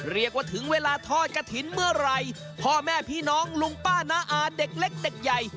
ถึงเวลาทอดกระถิ่นเมื่อไหร่พ่อแม่พี่น้องลุงป้าน้าอาเด็กเล็กเด็กใหญ่